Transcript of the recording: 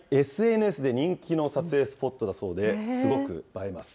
ＳＮＳで人気の撮影スポットだそうで、すごく映えます。